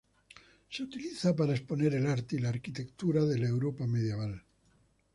Se utiliza para exponer el arte y la arquitectura de la Europa medieval.